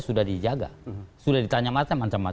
sudah dijaga sudah ditanya macam macam